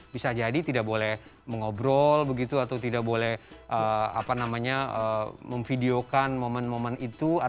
bisa jadi tidak boleh mengobrol begitu atau tidak boleh memvideokan momen momen itu